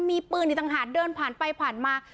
มีปืนอีกต่างหากเดินผ่านไปผ่านมา